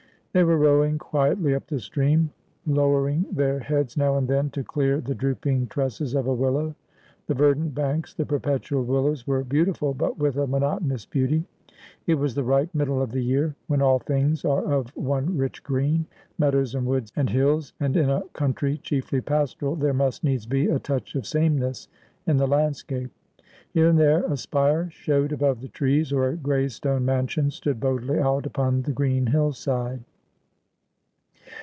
They were rowing quietly up the stream, lowering their heads now and then to clear the drooping tresses of a willow. The verdant banks, the perpetual willows, were beautiful, but with a monotonous beauty. It was the ripe middle of the year, when all things are of one rich green — meadows and woods and hills — and in a country chiefly pastoral there must needs be a touch of sameness in the landscape. Here and there a spire showed above the trees, or a gray stone mansion stood boldly out upon the green hillside.